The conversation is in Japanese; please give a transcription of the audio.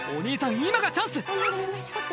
今がチャンス！